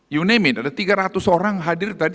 you name it ada tiga ratus orang hadir tadi